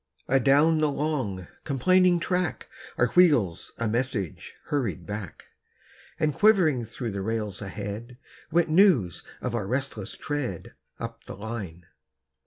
Adown the long, complaining track, Our wheels a message hurried back; And quivering through the rails ahead, Went news of our resistless tread, Up the line.